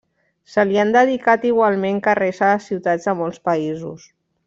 Se li han dedicat igualment carrers a les ciutats de molts països.